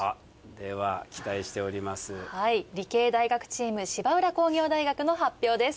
理系大学チーム芝浦工業大学の発表です。